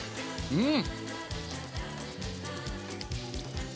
うん！